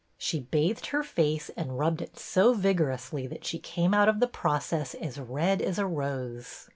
She bathed her face and rubbed it so vigor ously that she came out of the process as red as a rose.